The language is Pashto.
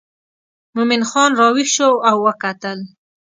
مومن خان راویښ شو او وکتل.